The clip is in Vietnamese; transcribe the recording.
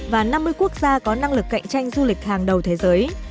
và năm mươi quốc gia có năng lực cạnh tranh du lịch hàng đầu thế giới